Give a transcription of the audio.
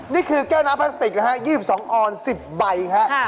นี่คือแก้วน้ำพลาสติกนะฮะ๒๒ออน๑๐ใบครับ